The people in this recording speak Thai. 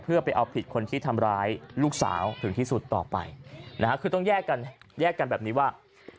เพื่อไปเอาผิดคนที่ทำร้ายลูกสาวถึงที่สุดต่อไปนะฮะคือต้องแยกกันแยกกันแบบนี้ว่า